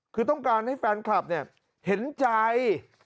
คือต้องการให้แฟนคลับเนี่ยเห็นใจ